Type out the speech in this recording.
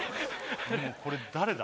もうこれ誰だ？